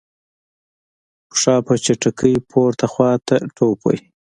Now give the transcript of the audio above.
پښه په چټکۍ پورته خواته ټوپ وهي.